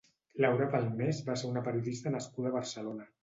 Laura Palmés va ser una periodista nascuda a Barcelona.